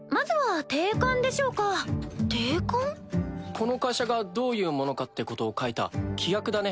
この会社がどういうものかってことを書いた規約だね。